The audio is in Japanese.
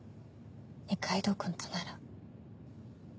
二階堂君となら。